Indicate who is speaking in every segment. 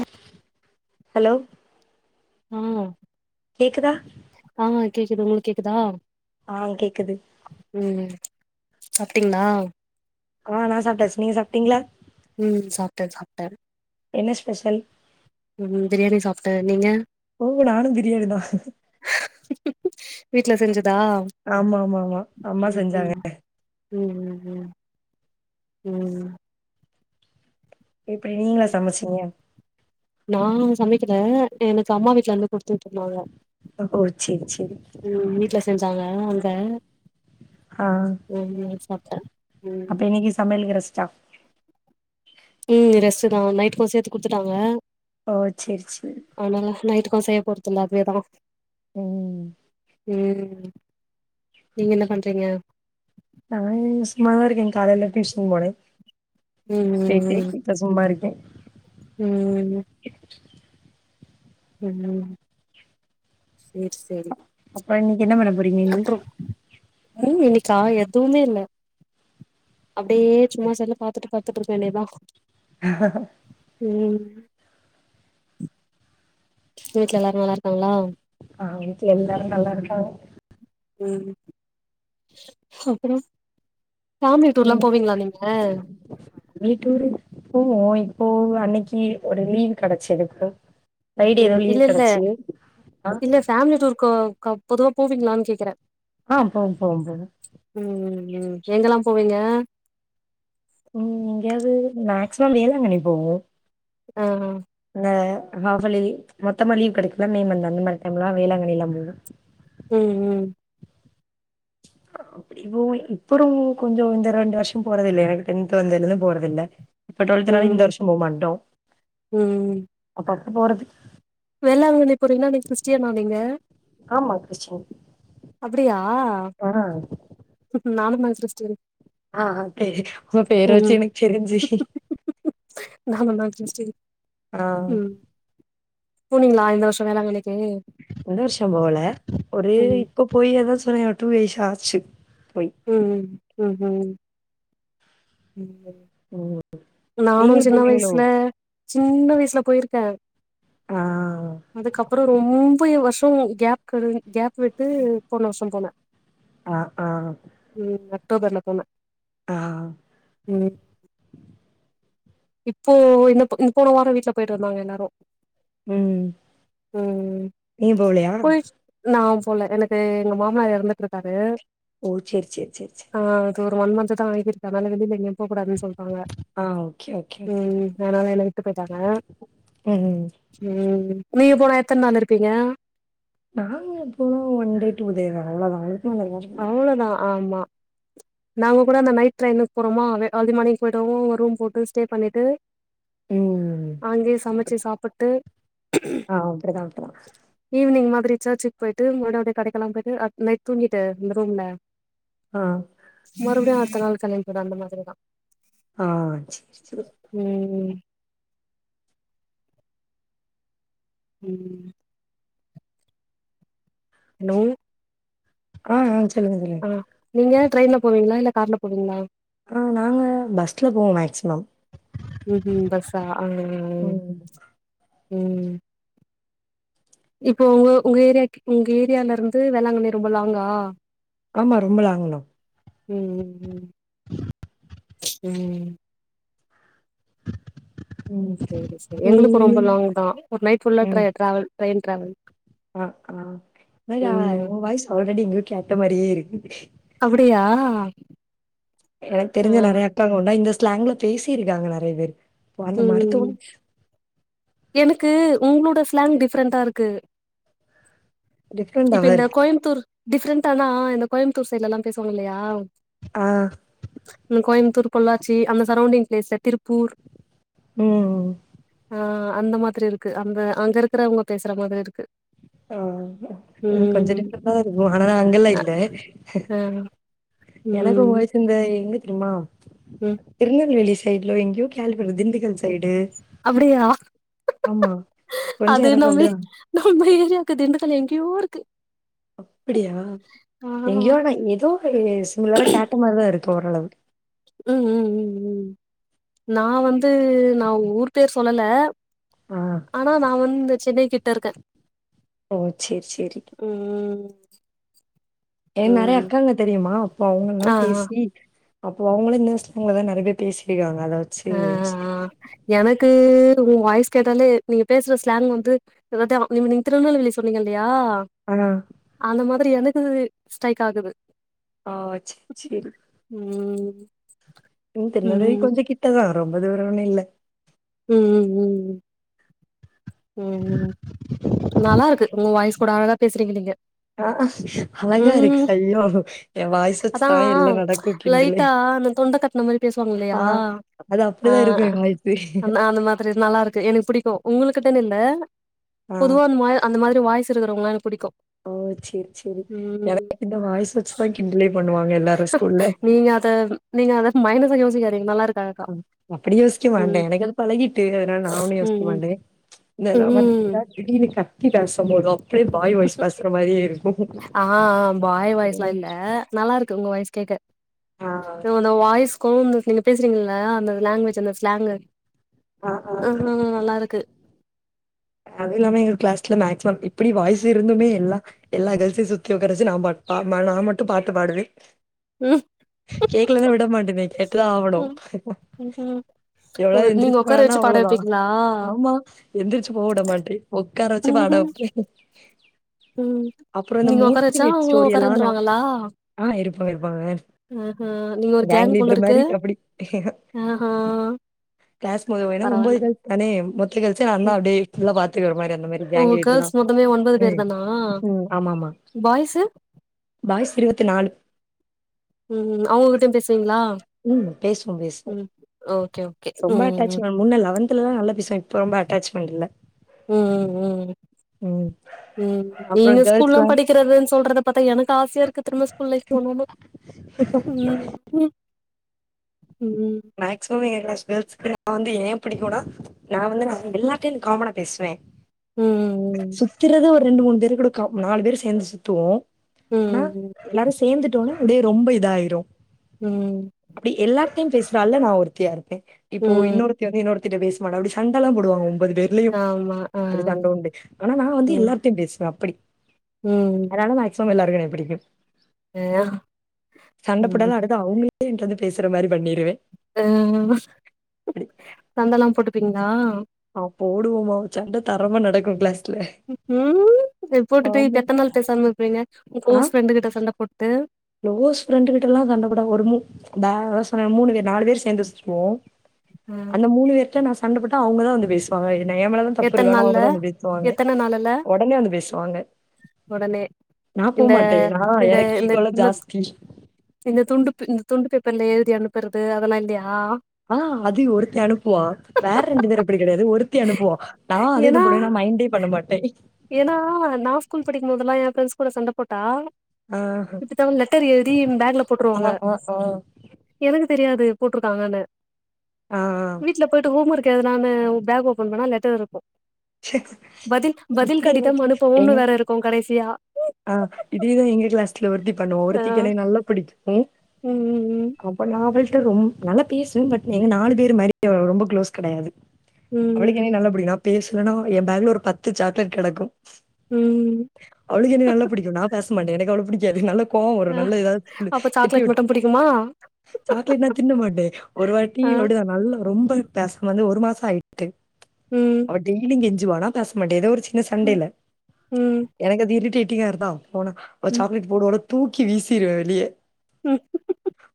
Speaker 1: ம் [inaudible]
Speaker 2: ஹலோ
Speaker 1: ம்
Speaker 2: கேக்குதா
Speaker 1: ஆ கேக்குது உங்ளுக்கு கேக்குதா
Speaker 2: ஆ கேக்குது
Speaker 1: ம் சாப்டீங்ளா
Speaker 2: ஆ நா சாப்ட்டாச்சு நீங்க சாப்ட்டீங்ளா
Speaker 1: ம் சாப்டன் சாப்டன்
Speaker 2: என்ன ஸ்பெஷல்
Speaker 1: ம் பிரியாணி சாப்டே நீங்க
Speaker 2: போங்க நானு பிரியாணி தா
Speaker 1: வீட்ல செஞ்சதா
Speaker 2: ஆமா ஆமா ஆமா அம்மா
Speaker 1: ம்
Speaker 2: செஞ்சாங்க
Speaker 1: ம் ம் ம் ம்
Speaker 2: இப்டி நீங்ளா சமச்சீங்க
Speaker 1: நா சமைக்கல எனக்கு அம்மா வீட்ல இருந்து குடுத்து வுட்ருந்தாங்க
Speaker 2: ஓ சேரி சேரி
Speaker 1: ம் வீட்ல செஞ்சாங்களா அங்க
Speaker 2: ஹா
Speaker 1: ரூம்லயே இன்னைக்கு சாப்டே
Speaker 2: அப்ப இன்னைக்கு சமயலுக்கு ரெஸ்டா
Speaker 1: ம் ரெஸ்ட்டு தா நைட்டுக்கு சேத்து குடுத்துட்டாங்க
Speaker 2: ஓ சேர் சேர்
Speaker 1: அனால நைட்டுக்கு செய்ய போறதுல்ல அதுவேதா
Speaker 2: ம்
Speaker 1: ம் நீங்க என்ன பண்றீங்க
Speaker 2: நா சும்மாதாருக்கே காலைல டியூஷன் போனே
Speaker 1: ம்
Speaker 2: பேயிட்டு
Speaker 1: ம்
Speaker 2: இப்ப சும்மாருக்கே
Speaker 1: ம்
Speaker 2: [inaudible] [unintelligible]
Speaker 1: ம் சேர் சேர்
Speaker 2: அப்றோ இன்னைக்கு என்ன பண்ண போறீங்க இனி
Speaker 1: ம் இன்னிக்கா எதுவுமே இல்ல அப்டியே சும்மா செல்ல பாத்துட்டு பாத்துட்டு இருக்க வேண்டியதா ம் வீட்ல எல்லாரு நல்லா இருக்காங்ளா
Speaker 2: ஆ வீட்ல எல்லாரு நல்லா இருக்காங்க
Speaker 1: ம் அப்றோ ஃபேமிலி டூர் எல்லா போவீங்களா நீங்க
Speaker 2: வீட்டுரு போவோ இப்போ அன்னைக்கு ஒரு லீவ் கெடச்சதுக்கு ஃப்ரைடே எதாது லீவு கெடச்சு ஆ
Speaker 1: ஃபேம்லி டூருக்கு கா பொதுவா போவீங்களான்னு கேக்குறே
Speaker 2: ஆ போவ போவ போவ
Speaker 1: ம் ம் ம் எங்கெல்லா போவீங்க
Speaker 2: ம் எங்காவது மேக்சிமம் வேளாங்கண்ணி போவோ
Speaker 1: ஆ ஆ
Speaker 2: இந்த ஹஃபலி மொத்தமா லீவு கெடைக்குல மே மந்து அந்த மாரி டைம்லா வேளாங்கண்ணில்லா போவோ
Speaker 1: ம் ம்
Speaker 2: [unintelligible] இப்போ இப்பறோ கொஞ்சோ இந்த ரெண்டு வருஷோ போறதில்ல எனக்கு டென்த் வந்ததுல இருந்து போறதில்ல இப்போ டு்வெல்த்னால இந்த
Speaker 1: ம்
Speaker 2: வருஷோ போ மாட்டோ அதுக்கடுத்து போறது
Speaker 1: வெளாங்கண்ணி போறீங்கன்னா நீங்க கிறிஸ்டியானா நீங்க
Speaker 2: ஆமா கிறிஸ்டின்.
Speaker 1: அப்டியா நானு மை கிறிஸ்டின்
Speaker 2: ஆ ஆ தெரியு உங்க பேர வெச்சே எனக்கு தெரிஞ்சி
Speaker 1: நானுந்தா கிறிஸ்டின்
Speaker 2: ஆ
Speaker 1: போனீங்களா இந்த வருஷோ வேளாங்கண்ணிக்கு
Speaker 2: இந்த வருஷோ போவல ஒரு
Speaker 1: ம்
Speaker 2: இப்ப போய் ஏதா சொன்னனே டூ இயர்ஸ் ஆச்சு போய்.
Speaker 1: ம் ம் ம் ம் ம்ப
Speaker 2: ம்
Speaker 1: நானு
Speaker 2: நீங்களும்
Speaker 1: சின்ன
Speaker 2: போவீங்களோ?
Speaker 1: வயசுல சின்ன வயசுல போயிருக்கே
Speaker 2: ஆ
Speaker 1: அதுக்கப்றோ ரொம்பயு வருஷோ கேப் க கேப் விட்டு போன வருஷோ போன
Speaker 2: ஆ ஆ
Speaker 1: ம் அக்டோபர்ல போன
Speaker 2: ஆ.
Speaker 1: ம் இப்போ இந்தப் போ போன வாரொ வீட்டுல போயிட்டு வந்தாங்க எல்லாரு
Speaker 2: ம்.
Speaker 1: ம்
Speaker 2: நீங்க போகலையா?
Speaker 1: போயி நா போல எனக்கு எங்க மாமனார் எறந்துட்டுருக்காரு
Speaker 2: ஓ செரி செரி செரி செரி
Speaker 1: ஆ அதொரு ஒன் மந்த்தா ஆகிருக்கு அதனால வெளியில எங்கயு போக்கூடாதுனு சொல்ட்டாங்க
Speaker 2: ஆ ஓகே ஓ
Speaker 1: ம் அதனால என்ன விட்டு போயிட்டாங்க
Speaker 2: ம், ம்.
Speaker 1: ம் நீங்க போனா எத்தன் நாள் இருப்பீங்க
Speaker 2: நாங்க எப்பவு ஒன் டே டூ டே தா அவ்ளோதா
Speaker 1: அவ்ளோதா ஆமா நாங்க கூட அந்த நைட் டெரையினுக்கு போறோமா அவே அர்லி மார்னிங் போயிடவோ ஒரு ரூம் போட்டு ஸ்டே பண்ணிட்டு
Speaker 2: ம்.
Speaker 1: அங்கயே சமைச்சு சாப்பிட்டு
Speaker 2: ஆ அப்டிதா அப்டிதா
Speaker 1: ஈவினிங் மாரி சர்ச்க் போய்ட்டு முன்னாடியே அப்டியே கடைக்கெல்லா போய்ட்டு நைட் தூங்கிட்டு இந்த ரூம்ல
Speaker 2: ஆ
Speaker 1: மறுபடியு அடுத்த நாள் கெளம்பி போய்டுவோ அந்த மாதிரிதா
Speaker 2: ஆ செரி செரி
Speaker 1: ம் ம் ஹலோ
Speaker 2: ஆ ஆ சொல்லுங்க சொல்லுங்க
Speaker 1: அ நீங்க ட்ரைன்ல போவீங்ளா இல்ல கார்ல போவீங்ளா
Speaker 2: ஆ நாங்க பஸ்ல போவோ மேக்சிமம்
Speaker 1: ம்ஹூம் பஸ்ஸா ஆ ம் ம் ம் இப்போ ஒங்க ஒங்க ஏரியாக்கி ஒங்க ஏரியாலருந்து வேளாங்கண்ணி ரொம்ப லாங்கா
Speaker 2: ஆமா ரொம்ப லாங்தா
Speaker 1: ம் ம் ம்
Speaker 2: ம்.
Speaker 1: செரி செரி எங்களுக்கு ரொம்ப
Speaker 2: ஈவ்னிங்
Speaker 1: லாங் தா ஒரு நைட் ஃபுல்லா ட்ரே
Speaker 2: ம்.
Speaker 1: ட்ராவல் ட்ரெயின் ட்ராவல்
Speaker 2: ஆ ஆ [unintelligible]
Speaker 1: ம்
Speaker 2: ஒன் வாய்ஸ் ஆல்ரெடி எங்கயோ கேட்ட மாரியே இருக்கு
Speaker 1: அப்டியா
Speaker 2: எனக்குத் தெரிஞ்ச நெறயா அக்காங்கூட இந்த ஸ்லாங்க்ல பேசிருக்காங்க நெறய பேரு அப்போ அந்த
Speaker 1: ம்
Speaker 2: மருத்துவம்
Speaker 1: எனக்கு உங்களோட ஸ்லாங் டிஃப்ரென்டாருக்கு இப்ப
Speaker 2: டிஃப்ரெண்ட்டாவா
Speaker 1: இந்த
Speaker 2: இருக்கு.
Speaker 1: கோயம்த்தூர் டிஃப்ரெண்ட்டானா இந்த கோயம்த்தூர் சைட்லல்லா பேசுவாங்கல்லயா
Speaker 2: ஆ
Speaker 1: கோயம்த்தூர் பொள்ளாச்சி அந்த சரௌண்டிங் பிளேஸ்ல திருப்பூர்
Speaker 2: ம்
Speaker 1: ஆ அந்த மாதிரி இருக்கு அந்த அங்க இருக்கிறவங்க பேசற மாதிரி இருக்கு
Speaker 2: ஆ கொஞ்சோ
Speaker 1: ம்
Speaker 2: டிஃப்ரன்ட்டாதா இருக்கு ஆனா அங்கல்லா இல்ல
Speaker 1: ஆ
Speaker 2: எனக்கு உங்க
Speaker 1: ம்
Speaker 2: வாய்ஸ் இந்த எங்க தெரிம்மா
Speaker 1: ம்
Speaker 2: திருநெல்வேலி ஸ் சைட்ல எங்கேயோ கேள்விப்பட்ட திண்டுக்கல் சைடு
Speaker 1: அப்டியா
Speaker 2: ஆமா. கொஞ்சம்
Speaker 1: அது
Speaker 2: எனக்கு
Speaker 1: நம்பி
Speaker 2: அப்டிதான்.
Speaker 1: நம்ம ஏரியாக்கு திண்டுக்கல் எங்கயோ இருக்கு
Speaker 2: அப்படியா
Speaker 1: ஆ
Speaker 2: எங்கயோ
Speaker 1: ம்
Speaker 2: நா ஏதோ சிமிலரா கேட்ட மாரிதா இருக்கு ஓரளவு
Speaker 1: ம் ம் ம் ம் நா வந்து நா ஊர் பேர் சொல்லல
Speaker 2: ஆ.
Speaker 1: ஆனா நா வந்து சென்னை கிட்ட இருக்க
Speaker 2: ஓ சேர் சேரி
Speaker 1: ம்
Speaker 2: எ நெறய
Speaker 1: ம்
Speaker 2: அக்காங்க தெரியுமா அப்போ அவங்கெல்லா
Speaker 1: ஆ ஆ
Speaker 2: பேசி அப்போ அவங்களு இன்னஸ் ரூம்ல தா நெறய பேர் பேசிருக்காங்க அத வச்சி
Speaker 1: அ எனக்கு உன் வாய்ஸ் கேட்டாலே நீங்க பேசுற ஸ்லாங் வந்து இததா நீங்க திருநெல்வேலி சொன்னீங்கல்லயா
Speaker 2: ஆ
Speaker 1: அந்த மாதிரி எனக்கு ஸ்ரைக் ஆகுது
Speaker 2: ஆ சேர் செரி
Speaker 1: ம்
Speaker 2: என்னன் தெர்ல வெய்
Speaker 1: ம்
Speaker 2: கொஞ்சோ கிட்டதா ரொம்ப தூர ஒன்னு இல்ல
Speaker 1: ம் ம் ம் ம் ம் நல்லா இருக்கு உங்க வாய்ஸ் கூட அழகா பேசறீங்க நீங்க
Speaker 2: ஆ அழகா இருக்க
Speaker 1: ம்
Speaker 2: ஐயோ என் வாய்ஸ்
Speaker 1: அதா
Speaker 2: வெச்சுத்தா எல்லா நடக்கு வெக்
Speaker 1: லைட்டா அந்த தொண்ட கட்
Speaker 2: ஆ அது அப்படிதா இருக்கு என் வாய்ஸ்
Speaker 1: நா அந்த மாதிரி நல்லாருக்கு எனக்குப்புடிக்கு உங்கள்கிட்டன்னு இல்ல
Speaker 2: ஆ.
Speaker 1: பொதுவா அந்தமா அந்த மாதிரி வாய்ஸ் இருக்குறவங்கள்ளா எனக்குப் புடிக்கும்
Speaker 2: ஓ செரி செரி எனக் இந்த வாய்ஸ் வச்சுத்தா கிண்டலே பண்ணுவாங்க எல்லாரு ஸ்கூல்ல
Speaker 1: நீங்க அத நீங்க அத மைனசா யோசிக்காதீங்க நல்லாருக்
Speaker 2: அ அப்படி யோசிக்கமாட்டே எனக்கு அது பழகிட்டு அதனால நா ஒன்னு
Speaker 1: ம்
Speaker 2: யோசிக்கமாட்டே
Speaker 1: ம்
Speaker 2: நாம மத்தபடி
Speaker 1: ம்
Speaker 2: திடீர்னு கத்தி பேசும் போதோ அப்படியே பாய் வாய்ஸ் பேசற மாறியே இருக்கும்
Speaker 1: ஆ பாய் வாய்ஸ்லா இல்ல நல்லா இருக்கு உங்க வாய்ஸ் கேக்க
Speaker 2: அ
Speaker 1: அந்த வாய்ஸ்க்கும் நீங்க பேசறீங்கல்ல அந்த லாங்குவேஜ் அந்த ஸ்லேங்கு
Speaker 2: ஆ, ஆ.
Speaker 1: அ ம் நல்லா இருக்கு
Speaker 2: அது இல்லாம எங்க கிளாஸ்ல மேக்சிமம் இப்படி வாய்ஸ் இருந்துமே எல்லா எல்லா கேர்ள்சையும் சுத்தி உக்காரவச்சு நா பாட் நா மட்டும் பாட்டு பாடுவேன்
Speaker 1: ம்
Speaker 2: கேக்கலன்னா விட மாட்டனே கேட்டுதான் ஆவணும்
Speaker 1: ம் ம் ஓ
Speaker 2: எவளாவது
Speaker 1: நீங்க
Speaker 2: எந்திரிச்சு
Speaker 1: உக்கார
Speaker 2: போனான்னா
Speaker 1: வச்சு பாட
Speaker 2: அவளதான்
Speaker 1: வைப்பீங்களா
Speaker 2: ஆமா எந்திரிச்சு போ உட மாட்டேன் உக்கார வெச்சு பாட
Speaker 1: ம்
Speaker 2: வப்பேன்
Speaker 1: ம் நீங்க உக்கார வெச்சா அவங்களும்
Speaker 2: ஸ்டோரி
Speaker 1: உக்கார
Speaker 2: எல்லாம் நான்
Speaker 1: வந்துருவாங்களா
Speaker 2: ஆ இருப்பாங்க இருப்பாங்க
Speaker 1: அ அ நீங்க ஒரு கேங் போல
Speaker 2: லீடர்
Speaker 1: இருக்கு
Speaker 2: மாரி அப்படி.
Speaker 1: அ அ
Speaker 2: கிளாஸ் முத போயி ஒம்போதே கால்க்கு தானே மொத்த கேள்ஸ்யும் நா தான்
Speaker 1: ம்
Speaker 2: அப்டியே ஃபுல்லா பாத்துக்கற மாறி அந்த மாறி
Speaker 1: ஓ
Speaker 2: கேங் லீடரு
Speaker 1: கேர்ள்ஸ்
Speaker 2: தான்
Speaker 1: மொத்தமே ஒன்பது பேர்
Speaker 2: ம்
Speaker 1: தானா
Speaker 2: ம் ஆமா ஆமா
Speaker 1: பாய்ஸு
Speaker 2: பாய்ஸ் இருவத்தி நாலு
Speaker 1: ம் அவங்ககிட்டயும் பேசுவீங்களா
Speaker 2: ம் பேசுவோம் பேசுவோம்
Speaker 1: ம் ஓகே ஓகே
Speaker 2: ரொம்ப
Speaker 1: ம்
Speaker 2: அட்டாச்
Speaker 1: ம்
Speaker 2: வே முன்ன லவன்த் தா நல்லா பேசுவோம் இப்ப ரொம்ப அட்டாச்மெண்ட் இல்ல
Speaker 1: ம் ம் ம்
Speaker 2: ம்
Speaker 1: ம்
Speaker 2: அப்புறம்
Speaker 1: நீங்க ஸ்கூல்லாம் படிக்கிறதுன்னு சொல்றத பாத்தா எனக்கு ஆசையா இருக்கு திரும்ப ஸ்கூல் லைஃப்
Speaker 2: கேர்ள்ஸ்லாம்
Speaker 1: போணும்ன்னு ம் ம் ம்
Speaker 2: மேக்சிமம் என் கிளாஸ் கேள்ஸ்க்கு நா வந்து ஏன் புடிக்கும்னா நா வந்து நா எல்லார் கிட்டயும் காமனா பேசுவேன்
Speaker 1: ம்
Speaker 2: சுத்திறது ஒரு ரெண்டு மூணு பேரு கூட கா நாலு பேர் சேந்து சுத்துவோம் ஆனா
Speaker 1: ம்
Speaker 2: எல்லாரு சேந்துட்டோனே அப்டியே ரொம்ப இதாயிரும்
Speaker 1: ம்
Speaker 2: அப்டி எல்லார்டயும் பேசுற ஆள்ல நா ஒருத்தியா இருப்பேன் இப்போ
Speaker 1: ம்
Speaker 2: இன்னொரு இன்னொருத்திட்ட பேசமாட்டா அப்டி சண்டல்லா போடுவாங்க ஒம்பது பேர் ல்லியூம்
Speaker 1: ஆமா ஆ
Speaker 2: அப்டி சண்ட உண்டு ஆனா நா வந்து
Speaker 1: ம்
Speaker 2: எல்லார்டயும் பேசுவேன் அப்டி
Speaker 1: ம்
Speaker 2: அதனால மேக்சிமம் எல்லாருக்கும் என்னய புடிக்கும்
Speaker 1: அ ம்
Speaker 2: சண்டபோட்டாலு அடுத் தா அவங்களுக்கே ஏன்ட வந்து பேசுற மாறி பண்ணிருவே
Speaker 1: ஆ
Speaker 2: அப்டி
Speaker 1: சண்டேல்லா போட்டுப்பீங்களா
Speaker 2: ஆ போடுவோமோ சண்ட தரமா நடக்கூ கிளாஸ்ல
Speaker 1: உம் இப்டி போட்டுட்டு இப்ப
Speaker 2: ஆமா
Speaker 1: எத்தன நாளு பேசாம இருபிங்க உங்க
Speaker 2: ஆ
Speaker 1: க்ளோஸ் ஃப்ரெண்டு கிட்ட சண்ட போட்டு
Speaker 2: க்ளோஸ் ஃப்ரெண்டு கிட்டலா சண்டபோடாம ஒரு மூண் த என்ன சொன்ன மூணு பேரு நாலு பேரு சேந்து சுச்சுவோ
Speaker 1: ஆ
Speaker 2: அந்த மூணு பேர்ட்ட நா சண்டப்போட்டா அவங்கதா வந்து பேசு ப்பங்க இது ஏ மேல தா தப்பு
Speaker 1: எத்தன
Speaker 2: இருக்கான
Speaker 1: நாள்ல
Speaker 2: அவங்கதா வந்து பேசுவாங்க
Speaker 1: எத்தன நாளுல
Speaker 2: ஒடனே வந்து பேசுவாங்க
Speaker 1: ஒடனே
Speaker 2: நான்
Speaker 1: இந்த
Speaker 2: போமாட்டேன். நான்
Speaker 1: இந்த
Speaker 2: எனக்கு
Speaker 1: இந்த
Speaker 2: ஈகோலாம்
Speaker 1: இந்த
Speaker 2: ஜாஸ்தி.
Speaker 1: இந்த துண்டு இந்த துண்டு பேப்பர்ல எழுதி அனுப்புறது அதெல்லா இல்லையா
Speaker 2: ஆ அது ஒருத்தி அனுப்புவா வேற ரெண்டு பேர் அப்படி கெடையாது ஒருத்தி அனுப்புவா நா அது என்ன
Speaker 1: ஏன்னா
Speaker 2: பண்ணுவன்னா மைண்டே பண்ண மாட்டே
Speaker 1: ஏன்னா நா ஸ்கூல் படிக்கும்போதெல்லா எ பிரெண்ட்ஸ் கூட சண்டபோட்டா
Speaker 2: ஆ,
Speaker 1: இப்பிடிதா ஒரு லெட்டர் எழுதி பேகுல
Speaker 2: ஆ,
Speaker 1: போட்டுருவாங்க
Speaker 2: ஆ, ஆ, ஆ,
Speaker 1: எனக்கு தெரியாது போட்ருக்காங்கனு
Speaker 2: ஆ.
Speaker 1: வீட்ல போய்ட்டு ஹோம் ஒர்க் எழுதுலானு பேக் ஓபன் பண்ணா லெட்டர் இருக்கூ
Speaker 2: சேக்க்
Speaker 1: பதில் கடிதம் அனுப்பவும்னு வேற இருக்கூ கடைசியா
Speaker 2: ஆ இதேதா எங்க கிளாஸ்ல ஒருத்தி பண்ணுவோ ஒருத்திக்கு என்னய நல்லா புடிக்கூ
Speaker 1: உம் உம் ம்
Speaker 2: அப்ப நா அவள்ட்ட ரொம்ப நல்லா பேசுவே பட் எங்க நாலு பேரு மாறி அவ ரொம்ப க்ளோஸ் கெடையாது
Speaker 1: ம்
Speaker 2: அவளுக்கு என்ன நல்லா புடிக்கூ நா பேசலனா எ பேக்ல ஒரு பத்து சாக்லேட் கெடக்கூ
Speaker 1: உம்
Speaker 2: அவளுக்கு என்னய நல்லா புடிக்கூ நா பேச மாட்டே எனக்கு அவள புடிக்காது நல்ல கோவோவரு
Speaker 1: ஆ
Speaker 2: நல்லா எதாவது சொல்லி
Speaker 1: அப்ப
Speaker 2: திட்டி
Speaker 1: சாக்லேட்
Speaker 2: விட்டு
Speaker 1: மட்டு புடிக்குமா
Speaker 2: சாக்லேட்னா தின்ன மாட்டே ஒருவாட்டீ
Speaker 1: ஆ
Speaker 2: அப்டு தா நல்லா ரொம்ப பேசம வந்து ஒரு மாசோ ஆய்ட்டு
Speaker 1: ம்
Speaker 2: அவ டெய்லீ கெஞ்சுவானா பேச மாட்டே ஏதோ ஒரு சின்ன
Speaker 1: ம்
Speaker 2: சண்டையில
Speaker 1: ம்
Speaker 2: எனக்கு அது இரிட் இரிட்டேட்டீங்காரு தா போனா ஒரு
Speaker 1: ம்
Speaker 2: சாக்லேட்டு போடுவாளா தூக்கி வீசிருவே வெளிய
Speaker 1: ம்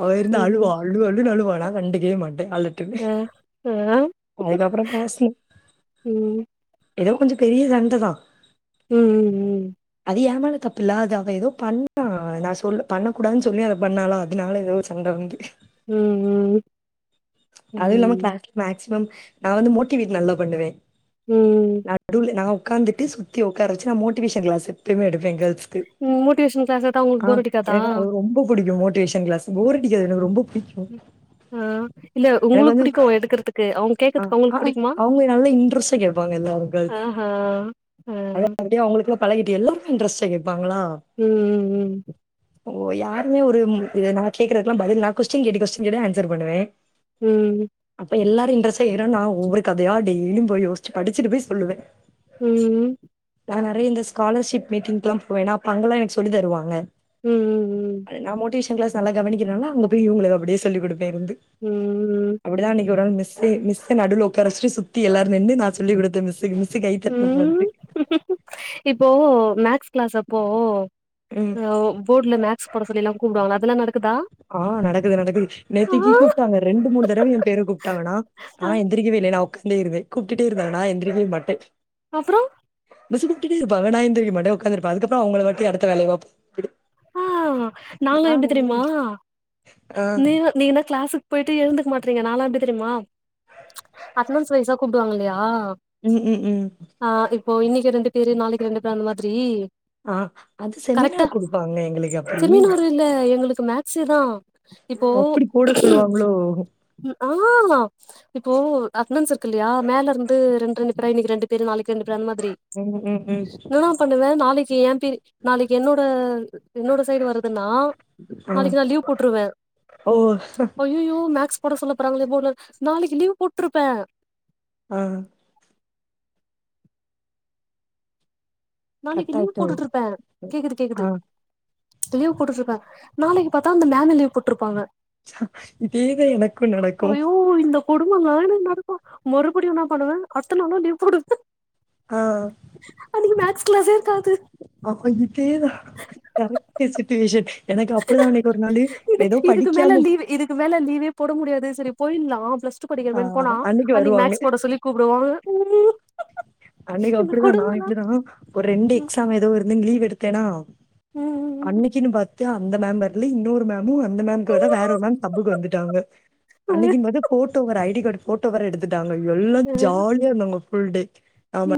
Speaker 2: அவ இருந்து அழுவா
Speaker 1: ம்ஹும்
Speaker 2: அழு அழுனு அழுவா நா கண்டுக்கே மாட்டே அழு ட்டுனு
Speaker 1: ஆ ஆ
Speaker 2: அதுக்கப்புறோ பேசல
Speaker 1: ம்
Speaker 2: ஏதோ கொஞ்ச பெரிய சண்டதா
Speaker 1: ம் ம் ம்
Speaker 2: அது ஏமேல தப்பில அது அவ ஏதோ பண்ணா நா சொல்ல பண்ண கூடான்னு சொல்லி அத பண்ணாலா அதனால யோசிச் சண்டவந்து
Speaker 1: ம் ம்
Speaker 2: அதுல்லாம கிளாஸ்ல மேக்சிமம் நா வந்து மோட்டிவேட் நல்லா பண்ணுவே
Speaker 1: ம்
Speaker 2: நடுவ்ல நா உட்காந்துட்டு சுத்தி உட்கார வச்சு நா மோட்டிவேஷன் கிளாஸு எப்பயுமே எடுப்பே கேள்ஸுகு
Speaker 1: ம் மோடிவேஷன் கிளாசதா அவங்
Speaker 2: ஆ எனக்கு அது ரொம்ப புடிக்கூ மோட்டிவேஷன் கிளாஸு போரடிகாது எனக்கு ரொம்ப புடிக்கூ
Speaker 1: ஆ இல்ல உங்களுக்கு புடிக்கூ எடுக்றதுக்கு அவங்க
Speaker 2: ஆ
Speaker 1: கேக்கறதுக்கு
Speaker 2: ஆ
Speaker 1: அவங்களுக்கு புடிக்குமா
Speaker 2: அவங்க நல்லா இன்ட்ரெஸ்ட்டா கேட்ப்பாங்க எல்லாரு கேர்ள்ஸ்
Speaker 1: ஆஹா ஆ
Speaker 2: அத அப்படியே அவங்களுக்கெல்லா பழகிட்டு எல்லாரு இன்ட்ரெஸ்டா கேபாங்களா
Speaker 1: உம் உம் உம்
Speaker 2: ஓ யாருமே ஒரு நா கேக்குறதுக்கெல்லா பதில் நா கொஸ்டின் கேட்டு கொஸ்டின் கேட்டு ஆன்சர் பண்ணுவே
Speaker 1: உம்
Speaker 2: அப்ப எல்லாரு இன்ரஸ் ஆய்ரு நா ஒவ்வொரு கதையா டெய்லியு போய் யோஸ்ச்சு படுச்சுட்டு போய் சொல்லுவே
Speaker 1: ம் ம்
Speaker 2: நா நெறையா இந்த ஸ்காலர்ஷிப் மீட்டிங்கல்லா போவேனா அப்ப அங்கல்லா எனக்கு சொல்லி தருவாங்க
Speaker 1: ம் ம்
Speaker 2: அது நா மோடிவேஷன் கிளாஸ் நல்லா கவனிக்கிறனால அங்க போய் இவுகளுக்கு அப்டியே சொல்லி குடுப் ட இருந்து
Speaker 1: ம்
Speaker 2: அப்டிதா அன்னைக்கு ஒரு நாள் மிஸ் சு மிஸ்சு நடுல உக்கார வச்சுட்டு சுத்தி எல்லாரு நின்னு நா சொல்லி குடுத்தே மிஸுக்கு மிஸு கை தட்னாங்க வந்து
Speaker 1: ம். இப்போ மேக்ஸ் கிளாஸ் அப்போ
Speaker 2: ம்.
Speaker 1: அ போர்ட்ல மேக்ஸ் போட சொல்லில்லா கூப்டுவாங்க அதுலா நடக்குதா
Speaker 2: ஆ நடக்குது நடக்குது நேத்திக்கு கூப்ட்டாங்க ரெண்டு மூணு தடவ எ பேர கூப்ட்டாங்க நா நா எந் எந்திரிக்கவே இல்ல நா உக்காந்தே இருவே கூப்டுட்டே இருந்தாங்க நா எந்திரிக்கவே மாட்டே
Speaker 1: அப்பறோ
Speaker 2: மிஸ்ஸு கூப்டுட்டே இருப்பாங்க நா எந்ரிக்க மாட்டே உக்காந்துருப்பே அதுக்கப்பறோ அவுங்களவாட்டி அடுத்த வேலய பாப்பாங்
Speaker 1: ஆ நாங்க எப்டி தெரிமா
Speaker 2: ஆ.
Speaker 1: நீவு நீ என்ன கிளாஸூ போய்ட்டு ஏழ்ந்துக்க மாட்றீங்க நாலா எப்டி தெரிமா அட்டனன்ஸ் வைசா கூப்டுவாங்க இல்லயா
Speaker 2: ம் ம் ம்
Speaker 1: ஆ இப்போ இன்னைக்கி ரெண்டு பேரு நாளைக்கு ரெண்டு பேரு அந்த மாதிரி
Speaker 2: ஆ அது செமினாரு குடுப்பாங்களே எங்களுக்கு அப்படி.
Speaker 1: செமினாரு இல்ல எங்களுக்கு மேக்ஸுதா
Speaker 2: ஓ!
Speaker 1: இப்போ
Speaker 2: அப்படி போட சொல்லுவாங்களோ?
Speaker 1: ம் ஆ இப்போ அட்டனன்ஸ் இருக்கு இல்லயா மேல இருந்து ரெண்ட் ரெண்டு பேரா இன்னைக்கு ரெண்டு பேரு நாளைக்கு ரெண்டு பேரு அந்த மாதிரி
Speaker 2: ம் ம் ம்
Speaker 1: என்னன்னா பண்ணுவே நாளைக்கி எ பேரு நாளைக்கி என்னோட என்னோட சைடு வருதுனா
Speaker 2: ஆ.
Speaker 1: நாளைக்கி நா லீவ் போட்ருவே
Speaker 2: ஓ!
Speaker 1: போய் அய்யயோ மேக்ஸ் போட சொல்ல போறாங்களே போட்ல நாளைக்கி லீவ் போட்ருப்பே
Speaker 2: அ அ
Speaker 1: நாளைக்கி
Speaker 2: கட்
Speaker 1: லீவ்
Speaker 2: ஆயிட்டோ?
Speaker 1: போட்டுட்ருப்பே கேக்குது கேக்குது
Speaker 2: ஆ
Speaker 1: லீவ் போட்டுட்ருப்பே நாளைக்கி பாத்தா அந்த மேம்மே லீவ் போட்ருபாங்க
Speaker 2: இதேதா எனக்கு நடக்கு
Speaker 1: கொடும நாளி நடக்கு மறுபடியு என்னா பண்ணுவே அத்த நாளு லீவ் போடுவே
Speaker 2: ஆ
Speaker 1: அன்னக்கி மேக்ஸ் கிளாஸ்சே இருக்காது
Speaker 2: அப்ப இதேதா கரக்ட்டு சுச்சுவேஷன் எனக்கு அப்டிதா அன்னைக்கு ஒரு நாளு
Speaker 1: இது
Speaker 2: எதோ
Speaker 1: இதுக்கு மேல
Speaker 2: படிக்காம
Speaker 1: லீவ் இதுக்கு மேல லீவே போட முடியாது சரி போயிட்லா பிளஸ் டூ
Speaker 2: ஆ
Speaker 1: படிக்கிறமேன் போனா அன்னைக்கு
Speaker 2: வருவாங்க.
Speaker 1: மேக்ஸ் போட சொல்லி கூப்டுவாங்க உம் [inaudible]
Speaker 2: அன்னைக் அப்டிதா நா இப்டிதா ஒரு ரெண்டு
Speaker 1: ம்
Speaker 2: எக்ஸாம் எதோ இருந்து லீவ் எடுத்தேனா
Speaker 1: ம்
Speaker 2: அன்னக்கினு பாத்து அந்த மேம் வர்ல இன்னோரு மேமு அந்த மேம் கூடதா வேற ஒரு மேம் தப்புகு வந்துட்டாங்க
Speaker 1: ம்
Speaker 2: அன்னகின் பாத்து ஃபோட்டோ ஒரு ஐ டி கார்டு ஃபோட்டோ வேற எடுத்துட்டாங்க எல்லா
Speaker 1: ம்
Speaker 2: ஜாலியா இருந்தாங்க ஃபுல் டே ஆமா